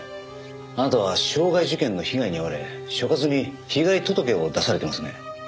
あなたは傷害事件の被害に遭われ所轄に被害届を出されてますね。